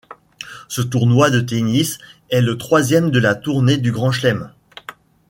Ce tournoi de tennis est le troisième de la tournée du Grand Chelem.